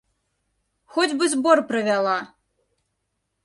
Хоць бы збор правяла!